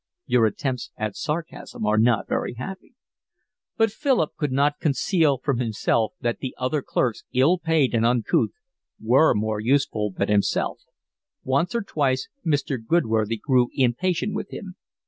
"Your attempts at sarcasm are not very happy." But Philip could not conceal from himself that the other clerks, ill paid and uncouth, were more useful than himself. Once or twice Mr. Goodworthy grew impatient with him.